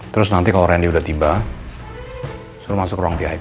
terus nanti kalau randy udah tiba suruh masuk ruang vip